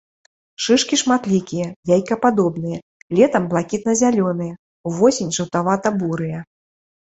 Шышкі шматлікія, яйкападобныя, летам блакітна-зялёныя, увосень жаўтавата-бурыя.